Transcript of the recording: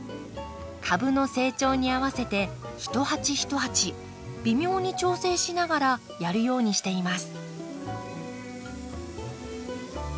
株の成長に合わせて一鉢一鉢微妙に調整しながらやるようにしています。